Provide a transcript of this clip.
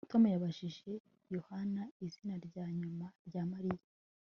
Tom yabajije Yohana izina rya nyuma rya Mariya